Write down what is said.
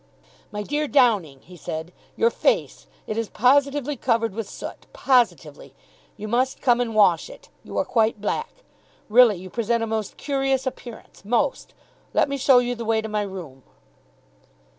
"My dear Downing," he said, "your face. It is positively covered with soot, positively. You must come and wash it. You are quite black. Really, you present a most curious appearance, most. Let me show you the way to my room."